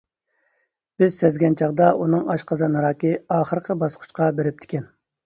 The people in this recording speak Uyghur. بىز سەزگەن چاغدا ئۇنىڭ ئاشقازان راكى ئاخىرقى باسقۇچقا بېرىپتىكەن.